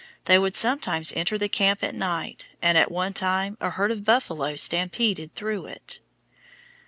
They would sometimes enter the camp at night, and at one time a herd of buffalo stampeded through it.